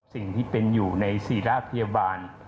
สิ่งที่เป็นอยู่ในศิราพยาบาล